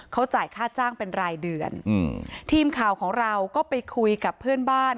เขาจ่ายค่าจ้างเป็นรายเดือนอืมทีมข่าวของเราก็ไปคุยกับเพื่อนบ้าน